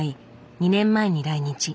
２年前に来日。